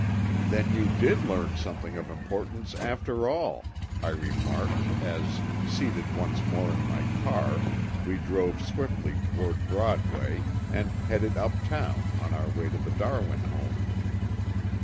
"Then you did learn something of importance after all," I remarked as, seated once more in my car, we drove swiftly toward Broadway and headed uptown on our way to the Darwin home.